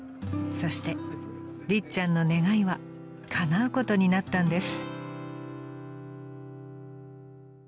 ［そしてりっちゃんの願いはかなうことになったんです］